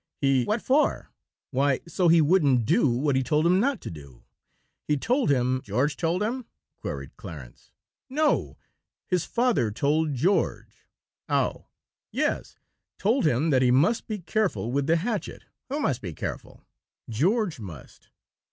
He " "What for?" "Why, so he wouldn't do what he told him not to do. He told him " "George told him?" queried Clarence. "No, his father told George " "Oh!" "Yes; told him that he must be careful with the hatchet " "Who must be careful?" "George must."